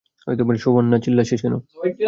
শোবানা, চিল্লাচ্ছিস কেন?